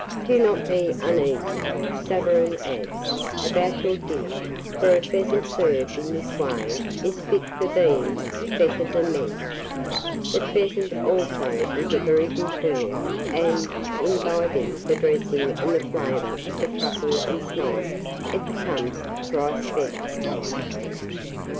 Do not be uneasy, Savarin adds, about your dinner; for a pheasant served in this way is fit for beings better than men. The pheasant itself is a very good bird; and, imbibing the dressing and the flavour of the truffle and snipe, it becomes thrice better.